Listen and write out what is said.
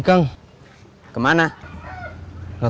komar sama allah